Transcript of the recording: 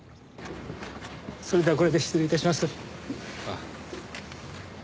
それではこれで失礼致します。